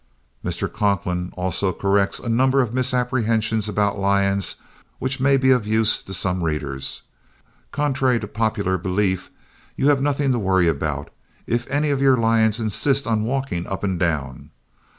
Mr. Conklin also corrects a number of misapprehensions about lions which may be of use to some readers. Contrary to popular belief, you have nothing to worry about if any of your lions insist on walking up and down.